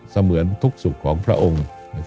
เสมือนทุกสุขของพระองค์